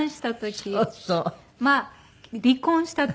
まあ離婚した時。